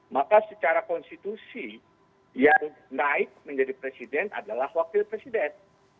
maka secara konstitusi yang naik menjadi presiden adalah wakil presiden